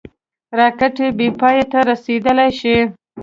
راکټ بېپای ته رسېدلای شي